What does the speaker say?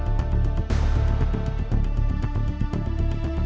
dan penonton yang telah menonton